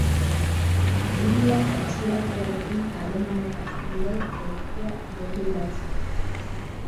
Familia kontsulatuarekin harremanetan jarri da gorpua aberriratzeko.